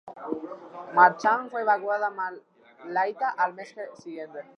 Marchant fue evacuado a Malaita al mes siguiente.